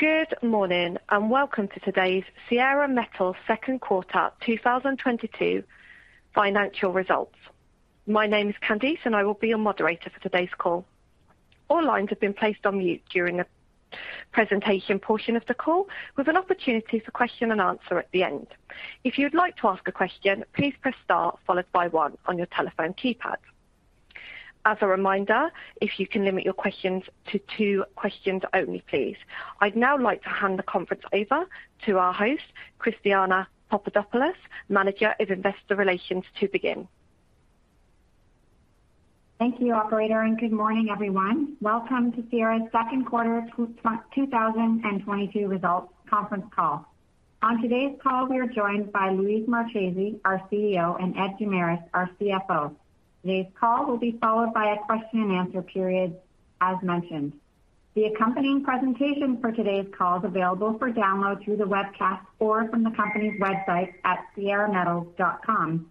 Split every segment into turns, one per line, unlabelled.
Good morning and welcome to today's Sierra Metals second quarter 2022 financial results. My name is Candice, and I will be your moderator for today's call. All lines have been placed on mute during the presentation portion of the call, with an opportunity for question and answer at the end. If you'd like to ask a question, please press star followed by one on your telephone keypad. As a reminder, if you can limit your questions to two questions only, please. I'd now like to hand the conference over to our host, Christina Papadopoulos, Manager of Investor Relations to begin.
Thank you, Operator, and good morning, everyone. Welcome to Sierra's second quarter 2022 results conference call. On today's call, we are joined by Luis Marchese, our CEO, and Ed Guimaraes, our CFO. Today's call will be followed by a question-and-answer period as mentioned. The accompanying presentation for today's call is available for download through the webcast or from the company's website at sierrametals.com.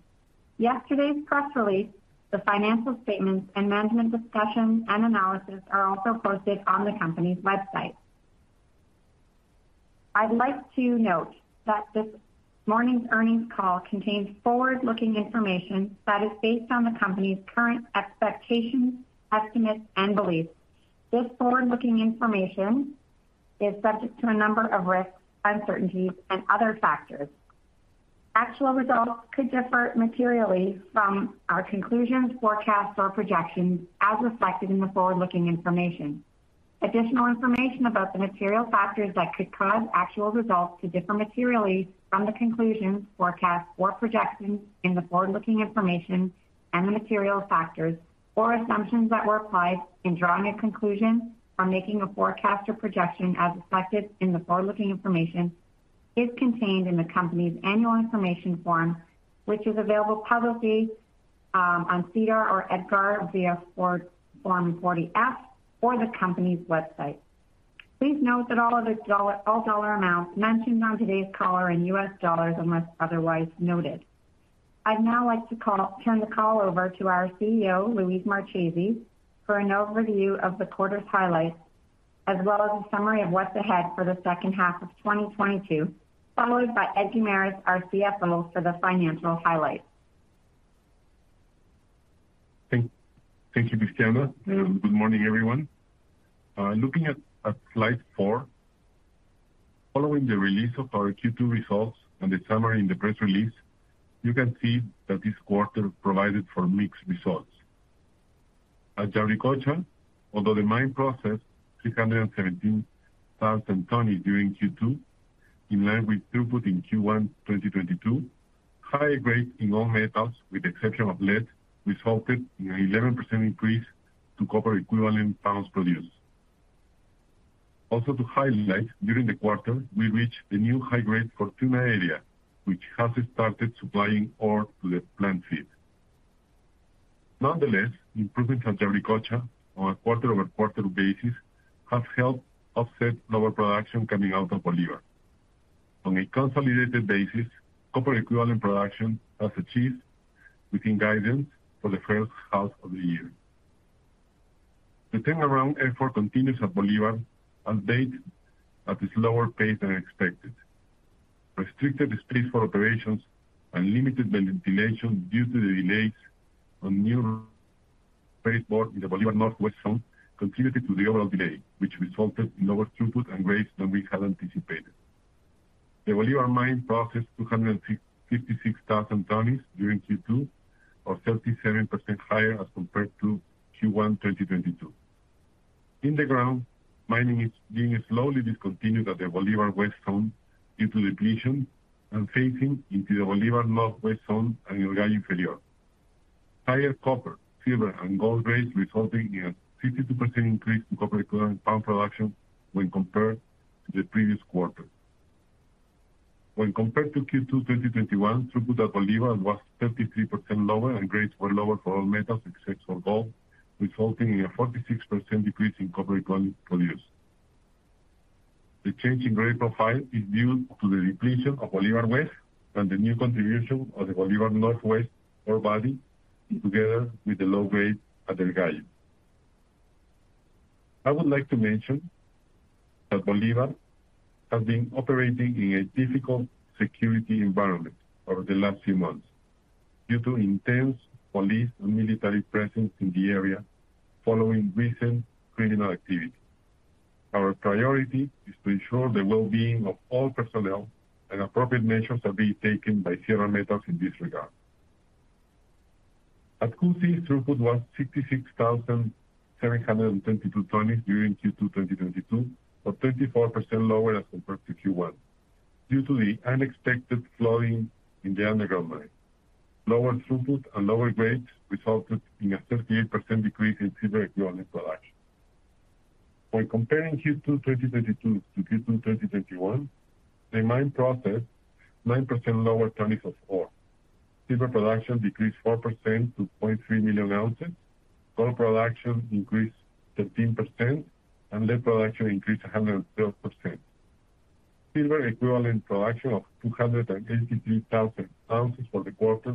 Yesterday's press release, the financial statements and Management's Discussion and Analysis are also posted on the company's website. I'd like to note that this morning's earnings call contains forward-looking information that is based on the company's current expectations, estimates and beliefs. This forward-looking information is subject to a number of risks, uncertainties, and other factors. Actual results could differ materially from our conclusions, forecasts or projections as reflected in the forward-looking information. Additional information about the material factors that could cause actual results to differ materially from the conclusions, forecasts or projections in the forward-looking information and the material factors or assumptions that were applied in drawing a conclusion or making a forecast or projection as reflected in the forward-looking information is contained in the company's annual information form, which is available publicly on SEDAR or EDGAR via Form 40-F or the company's website. Please note that all other dollar amounts mentioned on today's call are in U.S. dollars unless otherwise noted. I'd now like to turn the call over to our CEO, Luis Marchese, for an overview of the quarter's highlights, as well as a summary of what's ahead for the second half of 2022, followed by Ed Guimaraes, our CFO, for the financial highlights.
Thank you, Christina. Good morning, everyone. Looking at slide four. Following the release of our Q2 results and the summary in the press release, you can see that this quarter provided for mixed results. At Yauricocha, although the mine processed 317,000 tons during Q2, in line with throughput in Q1 2022, high grades in all metals, with the exception of lead, resulted in 11% increase to copper equivalent pounds produced. Also to highlight, during the quarter, we reached the new high-grade Fortuna area, which has started supplying ore to the plant feed. Nonetheless, improvements at Yauricocha on a quarter-over-quarter basis have helped offset lower production coming out of Bolivar. On a consolidated basis, copper equivalent production has achieved within guidance for the first half of the year. The ramp-up effort continues at Bolívar albeit at a slower pace than expected. Restricted space for operations and limited ventilation due to the delays on new raise bore in the Bolívar Northwest Zone contributed to the overall delay, which resulted in lower throughput and grades than we had anticipated. The Bolívar mine processed 256,000 tons during Q2, or 37% higher as compared to Q1 2022. Underground, mining is being slowly discontinued at the Bolívar West Zone due to depletion and phasing into the Bolívar Northwest Zone and El Gallo Inferior. Higher copper, silver and gold grades resulting in a 52% increase in copper equivalent pound production when compared to the previous quarter. When compared to Q2 2021, throughput at Bolivar was 33% lower, and grades were lower for all metals except for gold, resulting in a 46% decrease in copper equivalent produced. The change in grade profile is due to the depletion of Bolivar West and the new contribution of the Bolivar Northwest ore body together with the low grade at El Gallo. I would like to mention that Bolivar has been operating in a difficult security environment over the last few months due to intense police and military presence in the area following recent criminal activity. Our priority is to ensure the well-being of all personnel and appropriate measures are being taken by Sierra Metals in this regard. At Cusi, throughput was 66,722 tons during Q2 2022, or 34% lower as compared to Q1. Due to the unexpected flooding in the underground mine, lower throughput and lower grades resulted in a 38% decrease in silver equivalent production. When comparing Q2 2022 to Q2 2021, the mine processed 9% lower tons of ore. Silver production decreased 4% to 0.3 million ounces. Gold production increased 13%, and lead production increased 112%. Silver equivalent production of 283,000 ounces for the quarter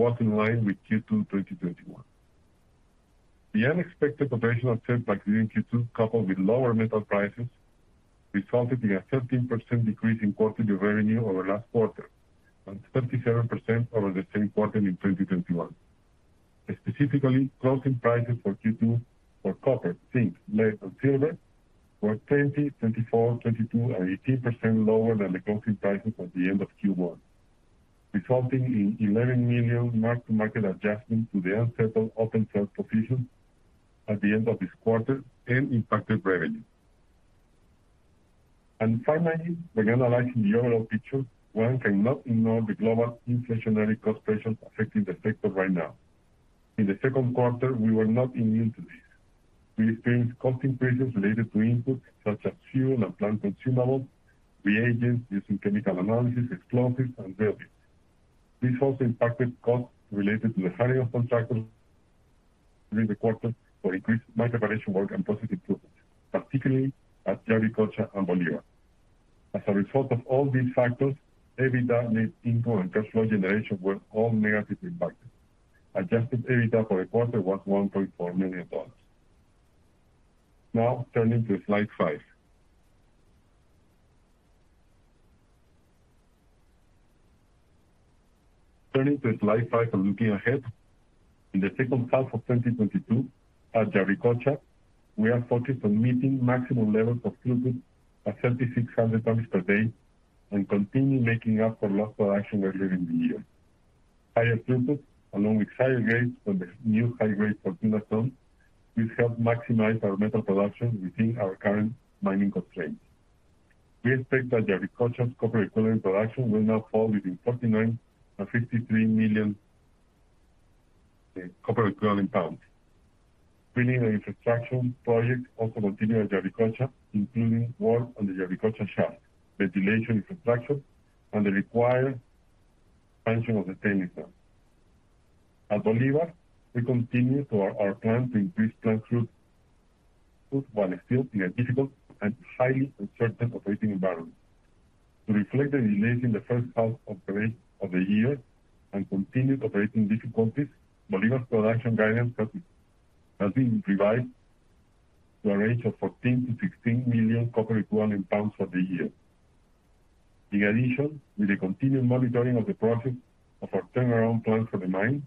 was in line with Q2 2021. The unexpected operational upset back in Q2, coupled with lower metal prices, resulted in a 13% decrease in quarterly revenue over last quarter and 37% over the same quarter in 2021. Specifically, closing prices for Q2 for copper, zinc, lead and silver were 20%, 24%, 22%, and 18% lower than the closing prices at the end of Q1, resulting in 11 million mark-to-market adjustment to the unsettled open sales position at the end of this quarter and impacted revenue. Finally, when analyzing the overall picture, one cannot ignore the global inflationary cost pressures affecting the sector right now. In the second quarter, we were not immune to this. We experienced cost increases related to inputs such as fuel and plant consumables, reagents used in chemical analysis, explosives, and drill bits. This also impacted costs related to the hiring of contractors during the quarter for increased mine operation work and positive improvements, particularly at Yauricocha and Bolivar. As a result of all these factors, EBITDA, net income, and cash flow generation were all negatively impacted. Adjusted EBITDA for the quarter was 1.4 million dollars. Now turning to slide five. Turning to slide five and looking ahead, in the second half of 2022 at Yauricocha, we are focused on meeting maximum levels of throughput at 3,600 tons per day and continue making up for lost production earlier in the year. Higher throughput, along with higher grades from the new high-grade Fortuna Zone, will help maximize our metal production within our current mining constraints. We expect that Yauricocha's copper equivalent production will now fall within 49-53 million copper equivalent pounds. Mining and infrastructure projects also continue at Yauricocha, including work on the Yauricocha shaft, ventilation infrastructure, and the required expansion of the tailings farm. At Bolivar, we continue to our plan to increase plant throughput while still in a difficult and highly uncertain operating environment. To reflect the delays in the first half of the year and continued operating difficulties, Bolivar's production guidance has been revised to a range of 14-16 million copper equivalent pounds for the year. In addition, with the continued monitoring of the progress of our turnaround plan for the mine,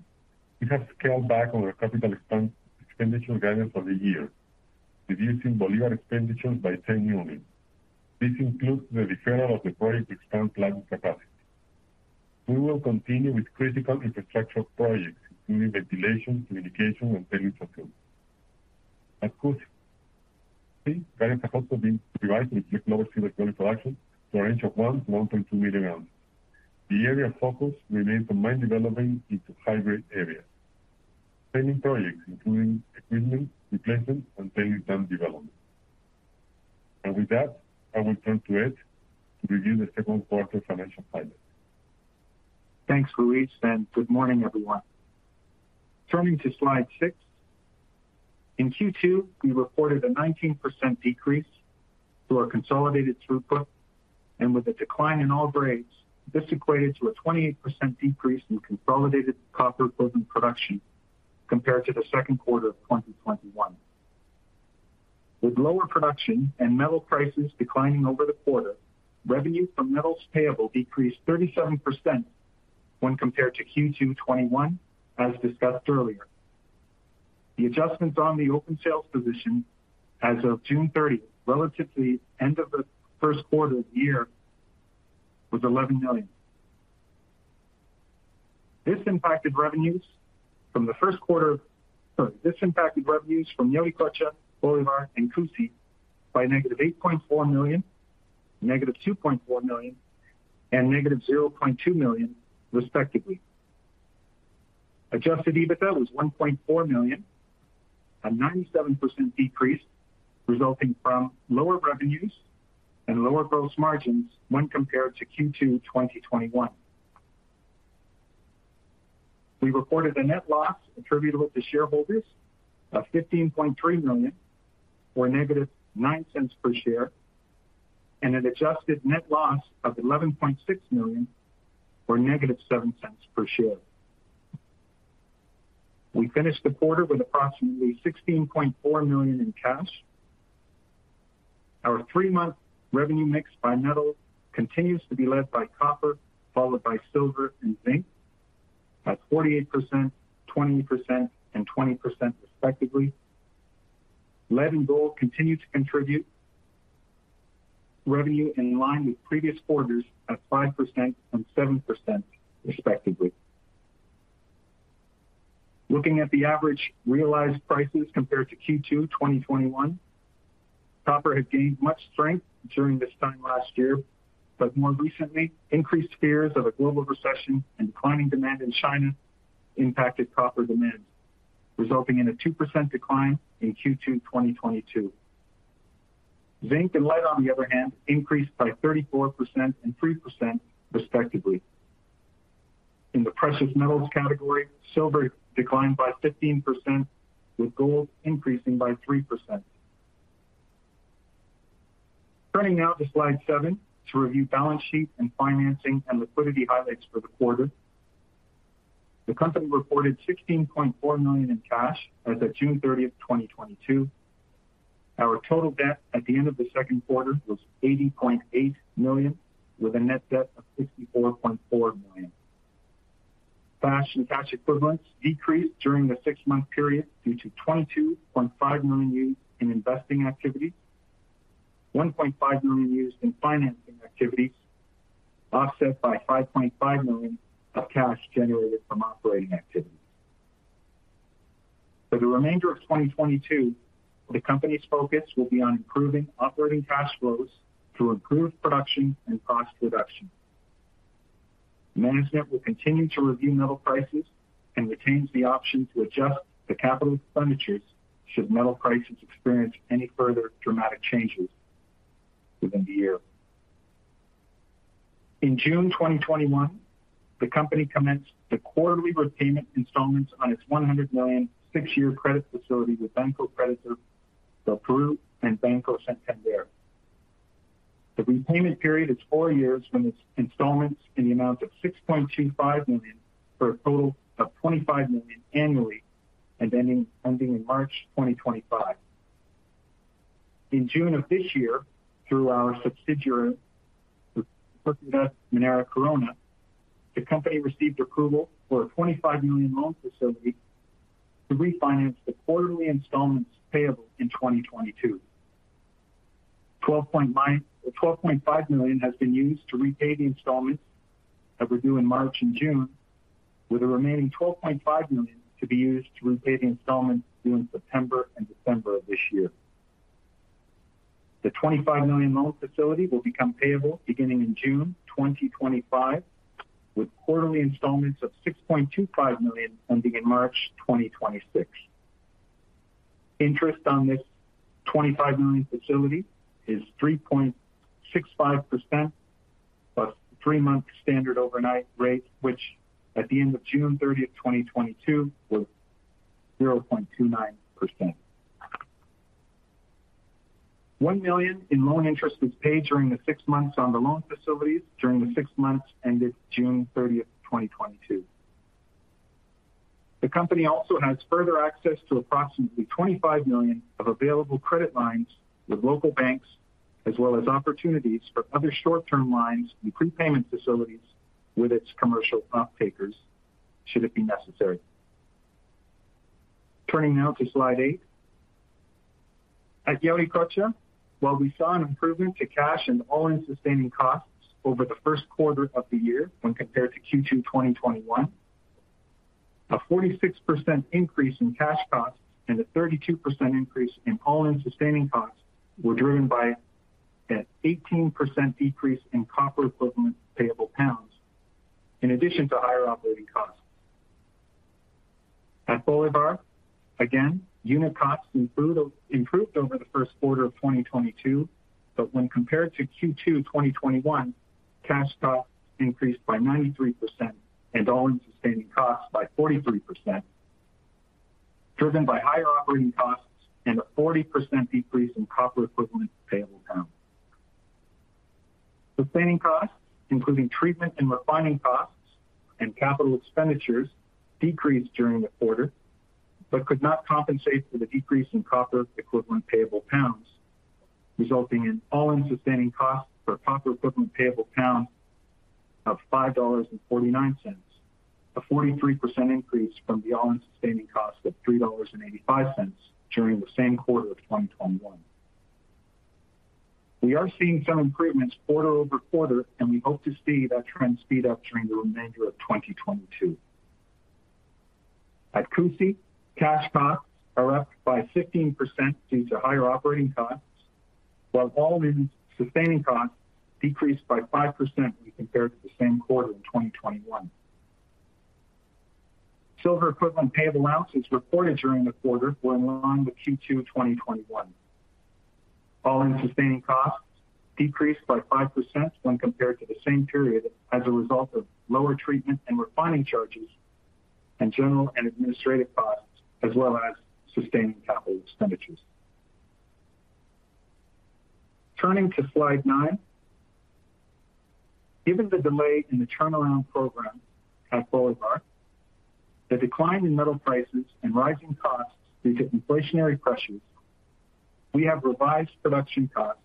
we have scaled back on our capital expenditure guidance for the year, reducing Bolivar expenditures by 10 million. This includes the deferral of the project to expand plant capacity. We will continue with critical infrastructure projects, including ventilation, communication, and tailings upgrade. At Cusi, guidance has also been revised with lower silver equivalent production to a range of 1 oz million-1.2 oz ounces. The area of focus remains on mine development into high-grade areas, tailings projects including equipment replacement and tailings dam development. With that, I will turn to Ed to review the second quarter financial highlights.
Thanks, Luis, and good morning, everyone. Turning to slide six. In Q2, we reported a 19% decrease to our consolidated throughput, and with a decline in all grades, this equated to a 28% decrease in consolidated copper equivalent production compared to the second quarter of 2021. With lower production and metal prices declining over the quarter, revenue from metals payable decreased 37% when compared to Q2 2021, as discussed earlier. The adjustments on the open sales position as of June 30th, relative to the end of the first quarter of the year, was 11 million. This impacted revenues from Yauricocha, Bolivar, and Cusi by -8.4 million, -2.4 million, and -0.2 million respectively. Adjusted EBITDA was 1.4 million, a 97% decrease resulting from lower revenues and lower gross margins when compared to Q2 2021. We reported a net loss attributable to shareholders of 15.3 million or -0.09 per share, and an adjusted net loss of 11.6 million or -0.07 per share. We finished the quarter with approximately 16.4 million in cash. Our three-month revenue mix by metal continues to be led by copper, followed by silver and zinc, at 48%, 20%, and 20% respectively. Lead and gold continue to contribute revenue in line with previous quarters at 5% and 7% respectively. Looking at the average realized prices compared to Q2 2021, copper had gained much strength during this time last year, but more recently, increased fears of a global recession and declining demand in China impacted copper demand, resulting in a 2% decline in Q2 2022. Zinc and lead, on the other hand, increased by 34% and 3% respectively. In the precious metals category, silver declined by 15%, with gold increasing by 3%. Turning now to slide seven to review balance sheet and financing and liquidity highlights for the quarter. The company reported 16.4 million in cash as of June 30th, 2022. Our total debt at the end of the second quarter was 80.8 million, with a net debt of 64.4 million. Cash and cash equivalents decreased during the six-month period due to 22.5 million used in investing activities, 1.5 million used in financing activities, offset by 5.5 million of cash generated from operating activities. For the remainder of 2022, the company's focus will be on improving operating cash flows to improve production and cost reduction. Management will continue to review metal prices and retains the option to adjust the capital expenditures should metal prices experience any further dramatic changes within the year. In June 2021, the company commenced the quarterly repayment installments on its 100 million, six-year credit facility with Banco de Crédito del Perú and Banco Santander. The repayment period is four years from its installments in the amount of 6.25 million for a total of 25 million annually and ending in March 2025. In June of this year, through our subsidiary, Sociedad Minera Corona, the company received approval for a 25 million loan facility to refinance the quarterly installments payable in 2022. 12.5 million has been used to repay the installments that were due in March and June, with the remaining 12.5 million to be used to repay the installments due in September and December of this year. The 25 million loan facility will become payable beginning in June 2025, with quarterly installments of 6.25 million ending in March 2026. Interest on this 25 million facility is 3.65% plus three-month standard overnight rate, which at the end of June 30th, 2022 was 0.29%. 1 million in loan interest was paid during the six months on the loan facilities during the six months ended June 30th, 2022. The company also has further access to approximately 25 million of available credit lines with local banks, as well as opportunities for other short-term lines and prepayment facilities with its commercial counterparties, should it be necessary. Turning now to slide eight. At Yauricocha, while we saw an improvement to cash and all-in sustaining costs over the first quarter of the year when compared to Q2 2021, a 46% increase in cash costs and a 32% increase in all-in sustaining costs were driven by an 18% decrease in copper equivalent payable pounds, in addition to higher operating costs. At Bolivar, again, unit costs improved over the first quarter of 2022, but when compared to Q2 2021, cash costs increased by 93% and all-in sustaining costs by 43%, driven by higher operating costs and a 40% decrease in copper equivalent payable pounds. Sustaining costs, including treatment and refining costs and capital expenditures, decreased during the quarter, but could not compensate for the decrease in copper equivalent payable pounds, resulting in all-in sustaining costs per copper equivalent payable pound of 5.49 dollars, a 43% increase from the all-in sustaining cost of 3.85 dollars during the same quarter of 2021. We are seeing some improvements quarter-over-quarter, and we hope to see that trend speed up during the remainder of 2022. At Cusi, cash costs are up by 15% due to higher operating costs, while all-in sustaining costs decreased by 5% when compared to the same quarter in 2021. Silver equivalent payable ounces reported during the quarter were in line with Q2 2021. All-in sustaining costs decreased by 5% when compared to the same period as a result of lower treatment and refining charges and general and administrative costs, as well as sustaining capital expenditures. Turning to slide nine. Given the delay in the turnaround program at Bolivar, the decline in metal prices and rising costs due to inflationary pressures, we have revised production costs,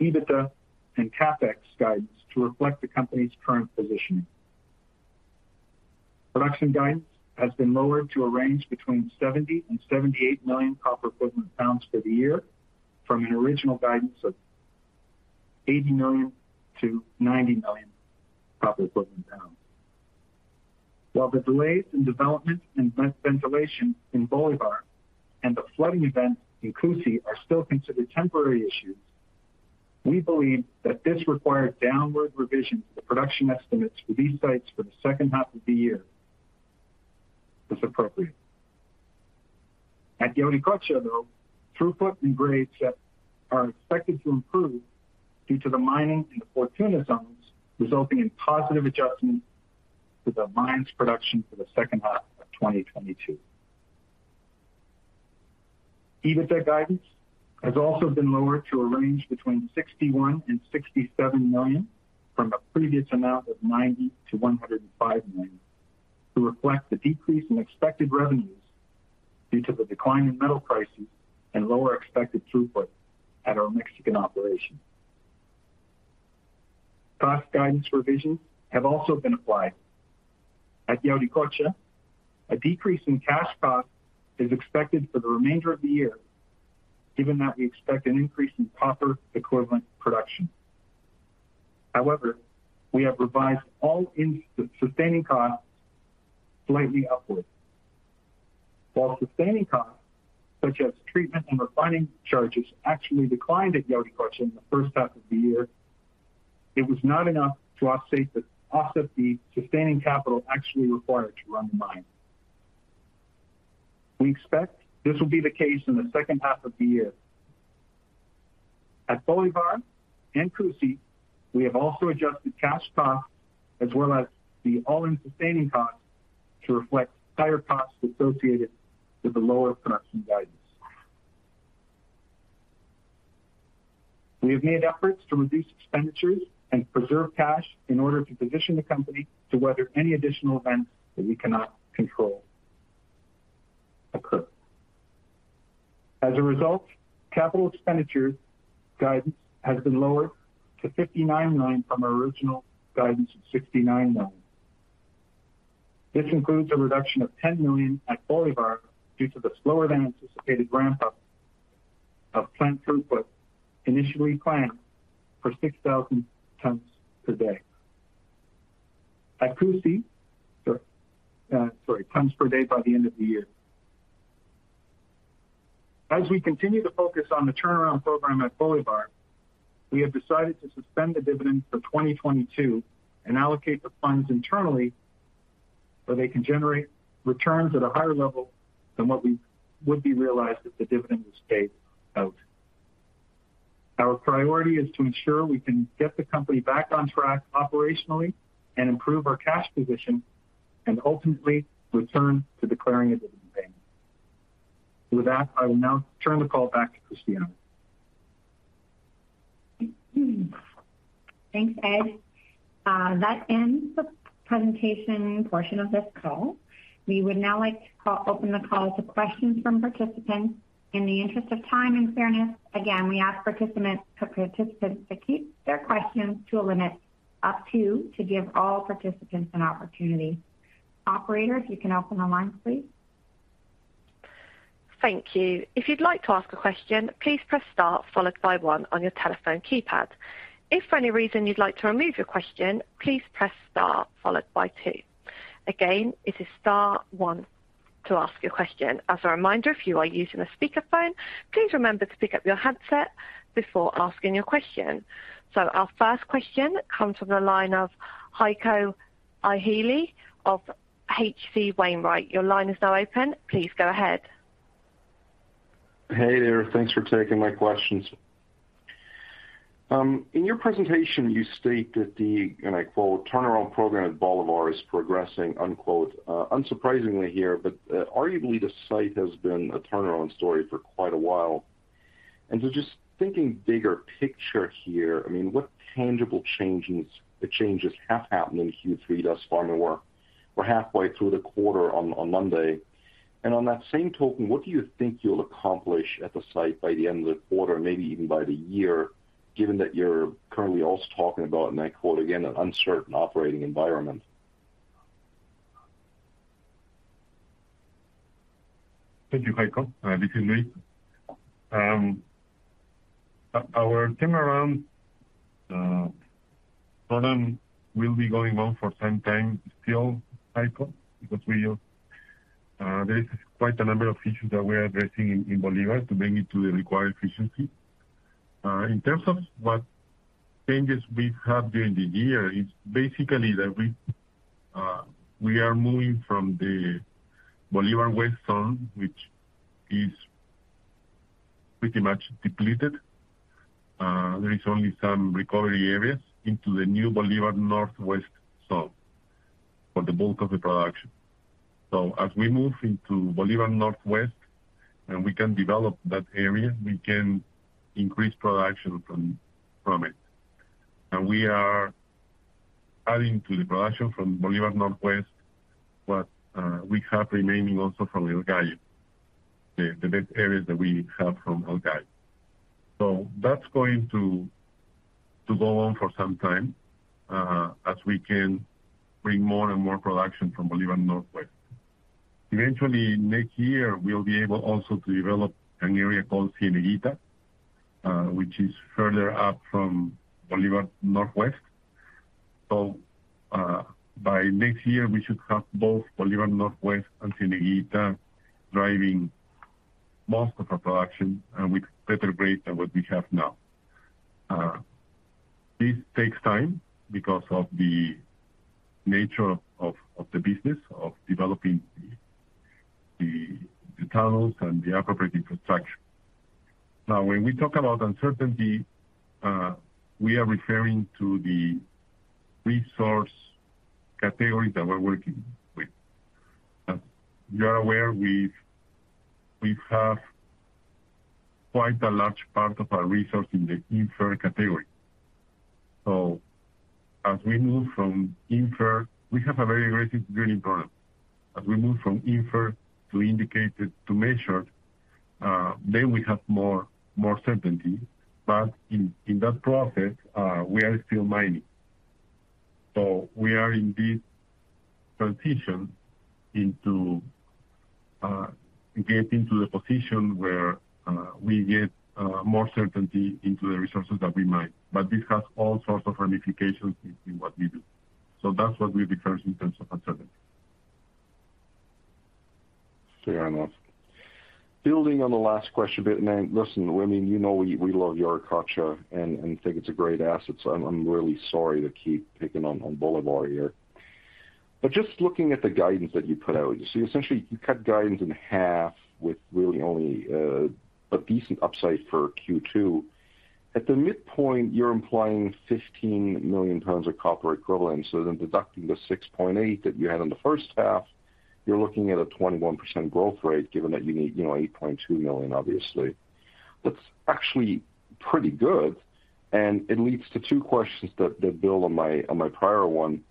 EBITDA and CapEx guidance to reflect the company's current positioning. Production guidance has been lowered to a range between 70-78 million copper equivalent pounds for the year from an original guidance of 80-90 million copper equivalent pounds. While the delays in development and ventilation in Bolivar and the flooding event in Cusi are still considered temporary issues, we believe that this requires downward revision to the production estimates for these sites for the second half of the year as appropriate. At Yauricocha, though, throughput and grades are expected to improve due to the mining in the Fortuna Zones, resulting in positive adjustments to the mine's production for the second half of 2022. EBITDA guidance has also been lowered to a range between 61 million-67 million from a previous amount of 90 million-105 million, to reflect the decrease in expected revenues due to the decline in metal prices and lower expected throughput at our Mexican operation. Cost guidance revisions have also been applied. At Yauricocha, a decrease in cash costs is expected for the remainder of the year, given that we expect an increase in copper equivalent production. However, we have revised all-in sustaining costs slightly upwards. While sustaining costs, such as treatment and refining charges actually declined at Yauricocha in the first half of the year, it was not enough to offset the sustaining capital actually required to run the mine. We expect this will be the case in the second half of the year. At Bolivar and Cusi, we have also adjusted cash costs as well as the all-in sustaining costs to reflect higher costs associated with the lower production guidance. We have made efforts to reduce expenditures and preserve cash in order to position the company to weather any additional events that we cannot control occur. As a result, capital expenditures guidance has been lowered to 59 million from our original guidance of 69 million. This includes a reduction of 10 million at Bolivar due to the slower than anticipated ramp-up of plant throughput, initially planned for 6,000 tons per day. At Cusi, tons per day by the end of the year. As we continue to focus on the turnaround program at Bolivar, we have decided to suspend the dividend for 2022 and allocate the funds internally, so they can generate returns at a higher level than what we would be realized if the dividend was paid out. Our priority is to ensure we can get the company back on track operationally and improve our cash position and ultimately return to declaring a dividend payment. With that, I will now turn the call back to Christina.
Thanks, Ed. That ends the presentation portion of this call. We would now like to open the call to questions from participants. In the interest of time and fairness, again, we ask participants to keep their questions to a limit, to give all participants an opportunity. Operator, if you can open the lines, please.
Thank you. If you'd like to ask a question, please press star followed by one on your telephone keypad. If for any reason you'd like to remove your question, please press star followed by two. Again, it is star one to ask your question. As a reminder, if you are using a speakerphone, please remember to pick up your handset before asking your question. Our first question comes from the line of Heiko Ihle of H.C. Wainwright. Your line is now open. Please go ahead.
Hey there. Thanks for taking my questions. In your presentation, you state that, and I quote, "Turnaround program at Bolivar is progressing," unquote. Unsurprisingly here, but arguably the site has been a turnaround story for quite a while. Just thinking bigger picture here, I mean, what tangible changes have happened in Q3 thus far? Now we're halfway through the quarter on Monday. On that same token, what do you think you'll accomplish at the site by the end of the quarter, maybe even by the year, given that you're currently also talking about, and I quote again, "An uncertain operating environment"?
Thank you, Heiko. This is Luis. Our turnaround program will be going on for some time still, Heiko, because there is quite a number of issues that we are addressing in Bolivar to bring it to the required efficiency. In terms of what changes we've had during the year is basically that we are moving from the Bolivar West zone, which is pretty much depleted, there is only some recovery areas, into the new Bolivar Northwest zone for the bulk of the production. As we move into Bolivar Northwest and we can develop that area, we can increase production from it. We are adding to the production from Bolivar Northwest, with what we have remaining also from El Gallo, the pit areas that we have from El Gallo. That's going to go on for some time as we can bring more and more production from Bolivar Northwest. Eventually, next year, we'll be able also to develop an area called Cieneguita, which is further up from Bolivar Northwest. By next year, we should have both Bolivar Northwest and Cieneguita driving most of our production with better grades than what we have now. This takes time because of the nature of the business of developing. The tunnels and the appropriate infrastructure. Now, when we talk about uncertainty, we are referring to the resource categories that we're working with. As you are aware, we have quite a large part of our resource in the inferred category. As we move from inferred, we have a very aggressive drilling program. As we move from inferred to indicated to measured, then we have more certainty. But in that process, we are still mining. We are in this transition into getting to the position where we get more certainty into the resources that we mine. But this has all sorts of ramifications in what we do. That's what we refer to in terms of uncertainty.
Fair enough. Building on the last question a bit. Now listen, I mean, you know, we love Yauricocha and think it's a great asset, so I'm really sorry to keep picking on Bolivar here. Just looking at the guidance that you put out, you see essentially you cut guidance in half with really only a decent upside for Q2. At the midpoint, you're implying 15 million tons of copper equivalent. Deducting the 6.8 that you had in the first half, you're looking at a 21% growth rate, given that you need, you know, 8.2 million, obviously. That's actually pretty good, and it leads to two questions that build on my prior one.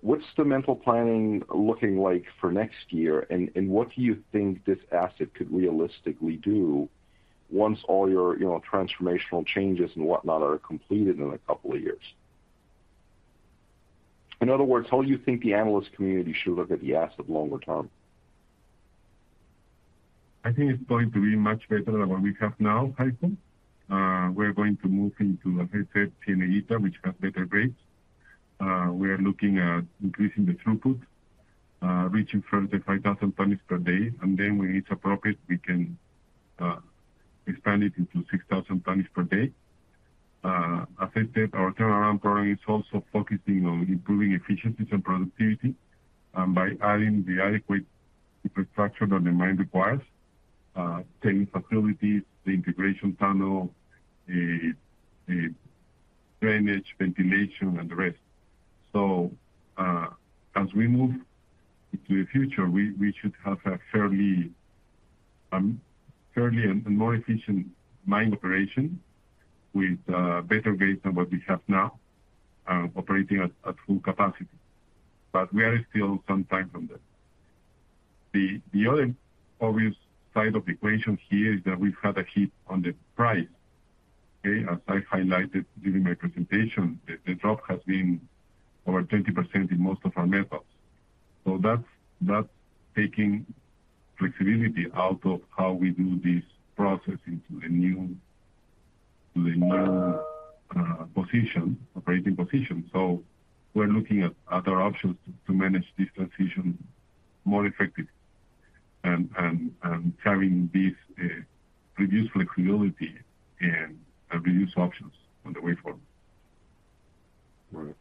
What's the mine planning looking like for next year? What do you think this asset could realistically do once all your, you know, transformational changes and whatnot are completed in a couple of years? In other words, how you think the analyst community should look at the asset longer term?
I think it's going to be much better than what we have now, Heiko. We're going to move into which has better grades. We are looking at increasing the throughput, reaching 35,000 tons per day. When it's appropriate, we can expand it into sixty thousand tons per day. As I said, our turnaround program is also focusing on improving efficiencies and productivity by adding the adequate infrastructure that the mine requires. Tailings facilities, the integration tunnel, the drainage, ventilation and the rest. As we move into the future, we should have a fairer and more efficient mine operation with better grades than what we have now, operating at full capacity. We are still some time from that. The other obvious side of the equation here is that we've had a hit on the price. Okay. As I highlighted during my presentation, the drop has been over 20% in most of our metals. That's taking flexibility out of how we do this process into a new operating position. We're looking at other options to manage this transition more effectively and carrying this reduced flexibility and reduced options on the way forward.
All right.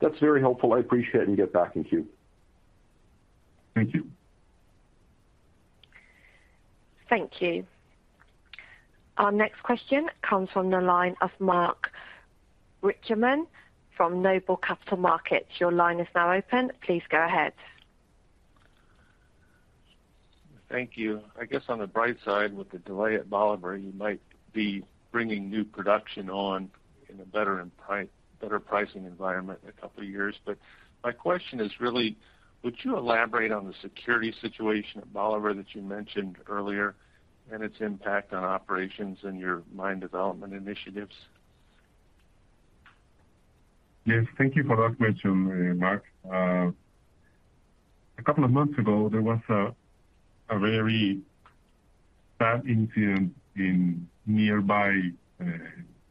That's very helpful, I appreciate you get back in queue.
Thank you.
Thank you. Our next question comes from the line of Mark Reichman from Noble Capital Markets. Your line is now open. Please go ahead.
Thank you. I guess on the bright side, with the delay at Bolivar, you might be bringing new production on in a better pricing environment in a couple of years. My question is really would you elaborate on the security situation at Bolivar that you mentioned earlier and its impact on operations and your mine development initiatives?
Yes, thank you for that question, Mark. A couple of months ago, there was a very bad incident in nearby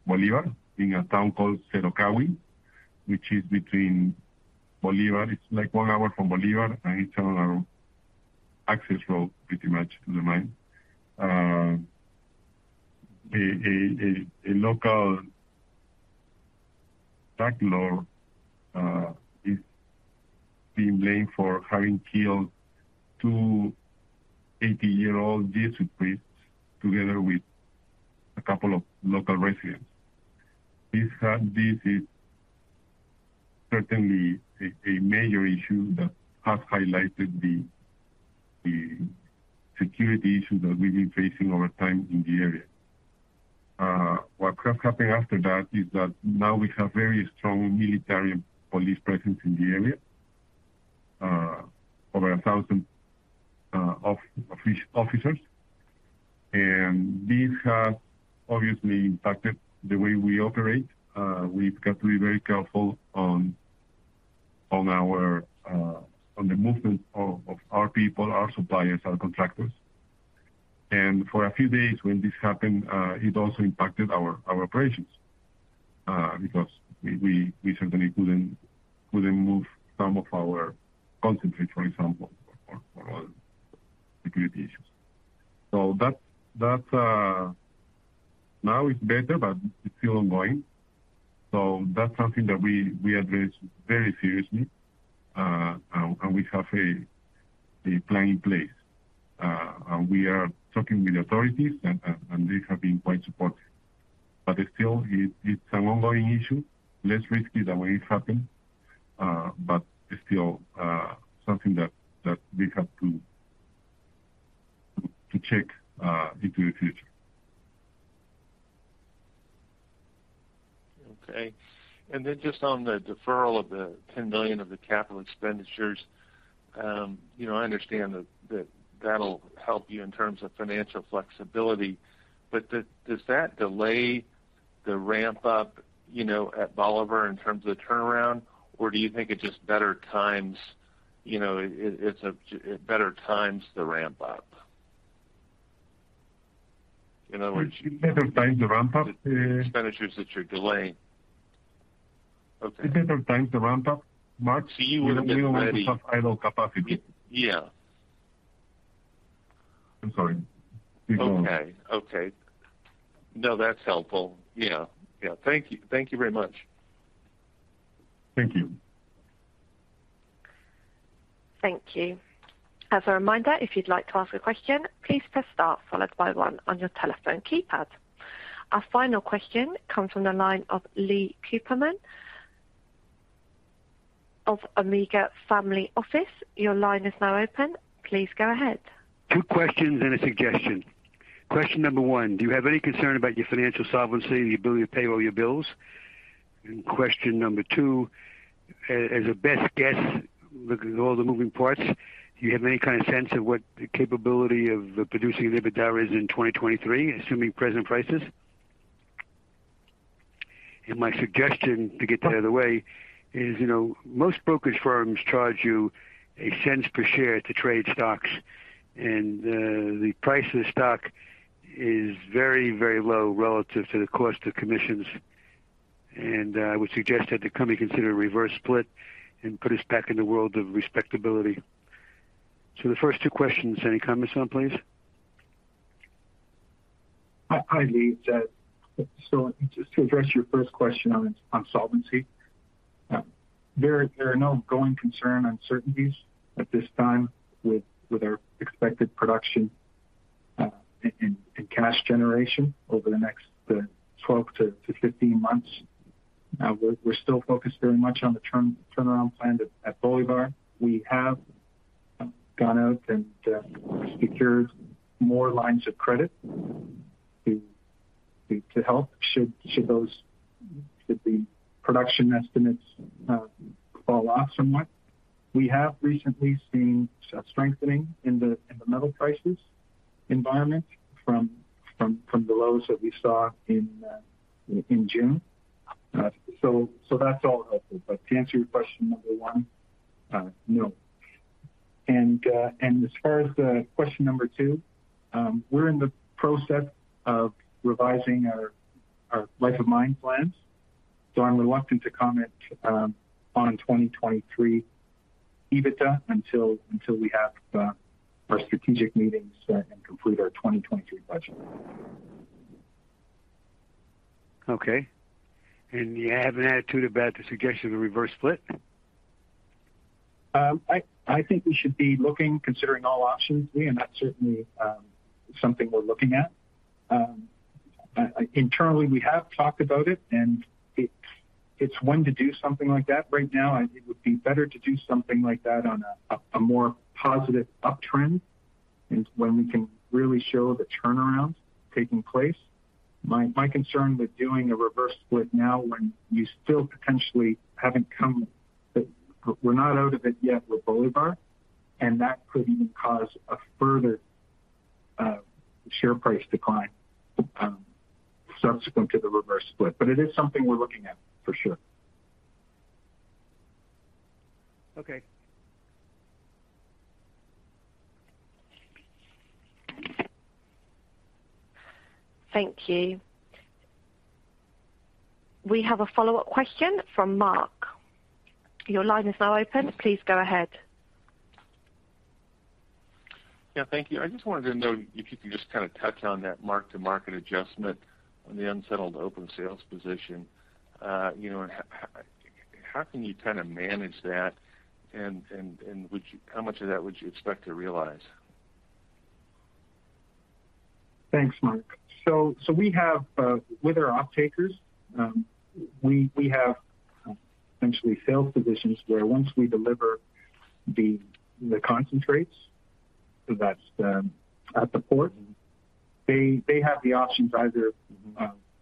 Bolivar in a town called Cerocahui, which is between Bolivar. It's like one hour from Bolivar, and it's on our access road pretty much to the mine. A local drug lord is being blamed for having killed two 80-year-old Jesuit priests together with a couple of local residents. This is certainly a major issue that has highlighted the security issues that we've been facing over time in the area. What has happened after that is that now we have very strong military and police presence in the area. Over 1,000 officers. This has obviously impacted the way we operate. We've got to be very careful on the movement of our people, our suppliers, our contractors. For a few days when this happened, it also impacted our operations because we certainly couldn't move some of our concentrate, for example, for security issues. Now it's better, but it's still ongoing. That's something that we address very seriously. We have a plan in place. We are talking with the authorities and they have been quite supportive. It's an ongoing issue, less risky than when it happened, but it's still something that we have to check into the future.
Okay. Just on the deferral of the 10 million of the capital expenditures, you know, I understand that that'll help you in terms of financial flexibility, but does that delay the ramp up, you know, at Bolívar in terms of the turnaround? Or do you think it's just better to time the ramp up? In other words-
It's better time to ramp up.
The expenditures that you're delaying. Okay.
It's better time to ramp up, Mark.
You would have maybe.
We don't want to have idle capacity.
Yeah.
I'm sorry. Keep going.
Okay. No, that's helpful. Yeah. Thank you very much.
Thank you.
Thank you. As a reminder, if you'd like to ask a question, please press star followed by one on your telephone keypad. Our final question comes from the line of Leon Cooperman of Omega Family Office. Your line is now open. Please go ahead.
Two questions and a suggestion. Question number one, do you have any concern about your financial solvency and your ability to pay all your bills? Question number two, as a best guess, looking at all the moving parts, do you have any kind of sense of what the capability of producing EBITDA is in 2023, assuming present prices? My suggestion to get that out of the way is, you know, most brokerage firms charge you CAD 0.01 per share to trade stocks, and the price of the stock is very, very low relative to the cost of commissions. I would suggest that the company consider a reverse split and put us back in the world of respectability. The first two questions, any comments on, please?
Hi, Leon. It's Ed. Just to address your first question on solvency, there are no ongoing concern uncertainties at this time with our expected production and cash generation over the next 12-15 months. We're still focused very much on the turnaround plan at Bolivar. We have gone out and secured more lines of credit to help should the production estimates fall off somewhat. We have recently seen strengthening in the metal prices environment from the lows that we saw in June. That's all helpful. To answer your question number one, no. As far as the question number two, we're in the process of revising our life of mine plans, so I'm reluctant to comment on 2023 EBITDA until we have our strategic meetings set and complete our 2023 budget.
Okay. You have an attitude about the suggestion of the reverse split?
I think we should be looking at, considering all options. It is certainly something we're looking at. Internally, we have talked about it, and it's when to do something like that. Right now, I think it would be better to do something like that on a more positive uptrend and when we can really show the turnaround taking place. My concern with doing a reverse split now when we still potentially haven't come out of it yet with Bolivar, and that could even cause a further share price decline subsequent to the reverse split. But it is something we're looking at for sure.
Okay.
Thank you. We have a follow-up question from Mark. Your line is now open. Please go ahead.
Yeah, thank you. I just wanted to know if you could just kind of touch on that mark-to-market adjustment on the unsettled open sales position. You know, and how can you kind of manage that and how much of that would you expect to realize?
Thanks, Mark. We have with our off-takers we have essentially sales positions where once we deliver the concentrates that's at the port they have the options either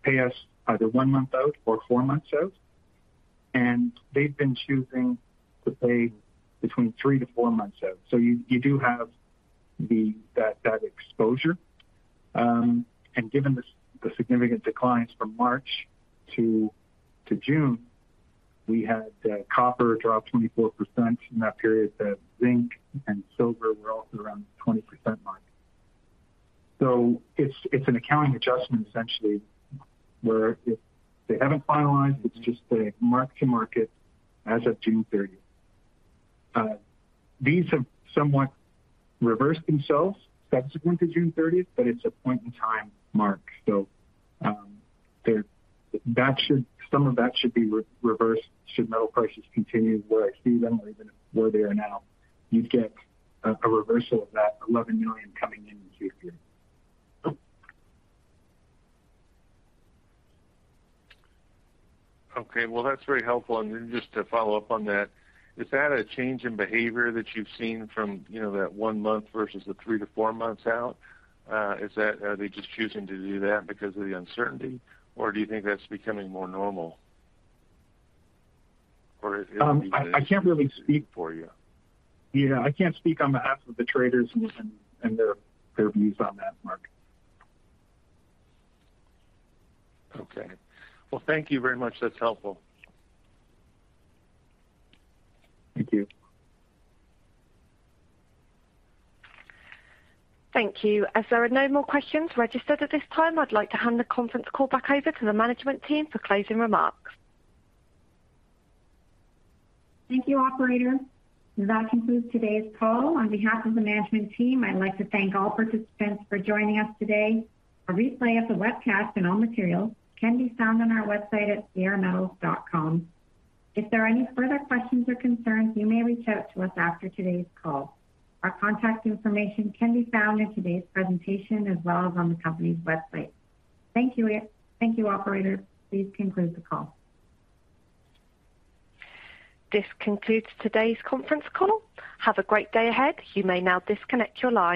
pay us either one month out or four months out. They've been choosing to pay between 3-4 months out. You do have that exposure. Given the significant declines from March to June we had copper drop 24% in that period. Zinc and silver were also around the 20% mark. It's an accounting adjustment essentially where if they haven't finalized it's just a mark-to-market as of June 30th. These have somewhat reversed themselves subsequent to June 30th but it's a point in time mark. Some of that should be reversed should metal prices continue where I see them or even where they are now. You'd get a reversal of that 11 million coming in in Q3.
Okay. Well, that's very helpful. Just to follow up on that, is that a change in behavior that you've seen from, you know, that one month versus the three to four months out? Is that, are they just choosing to do that because of the uncertainty, or do you think that's becoming more normal? Or is it?
I can't really speak for you. Yeah, I can't speak on behalf of the traders and their views on that, Mark.
Okay. Well, thank you very much. That's helpful.
Thank you.
Thank you. As there are no more questions registered at this time, I'd like to hand the conference call back over to the management team for closing remarks.
Thank you, Operator. That concludes today's call. On behalf of the management team, I'd like to thank all participants for joining us today. A replay of the webcast and all materials can be found on our website at sierrametals.com. If there are any further questions or concerns, you may reach out to us after today's call. Our contact information can be found in today's presentation as well as on the company's website. Thank you, Operator. Please conclude the call.
This concludes today's conference call. Have a great day ahead. You may now disconnect your lines.